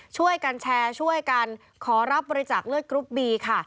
ช่วยกันแชร์ช่วยกันขอรับบริจาคเลือดกรุ๊ปบีค่ะ